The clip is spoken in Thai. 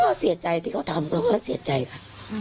เค้าเสียใจที่เค้าทำเค้าเสียใจค่ะ